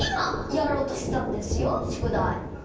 やろうとしてたんですよ宿題。